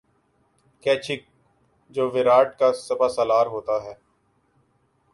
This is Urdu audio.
کیچک جو ویراٹ کا سپاہ سالار ہوتا ہے